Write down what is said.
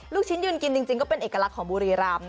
ลูกชิ้นยืนกินเป็นเอกลักษณ์ของบูรีราม